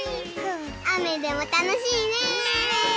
あめでもたのしいね！ね！